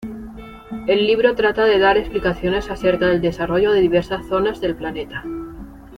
El libro trata de dar explicaciones acerca del desarrollo de diversas zonas del Planeta.